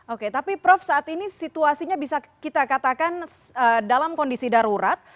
oke tapi prof saat ini situasinya bisa kita katakan dalam kondisi darurat